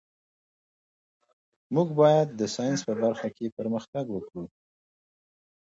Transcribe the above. موږ باید د ساینس په برخه کې پرمختګ وکړو.